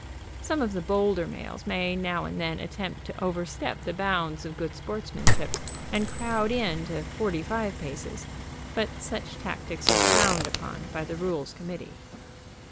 Some of the bolder males may now and then attempt to overstep the bounds of good sportsmanship and crowd in to forty five paces, but such tactics are frowned upon by the Rules Committee.